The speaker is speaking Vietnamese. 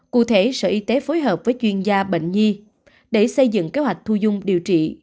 cụ thể sở y tế phối hợp với chuyên gia bệnh nhi để xây dựng kế hoạch thu dung điều trị